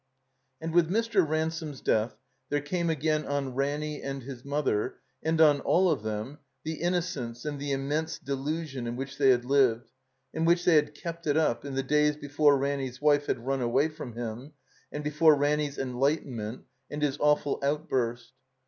And with Mr. Ransome's death there came again on Ranny and his mother, and on aU of them, the innocence and the immense delusion in which they had lived, in which they had kept it up, in the days before Ranny's wife had nm away from him and before Ranny's enlightenment and his awful out 336 THE COMBINED MAZE burst.